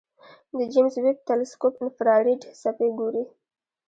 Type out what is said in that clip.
د جیمز ویب تلسکوپ انفراریډ څپې ګوري.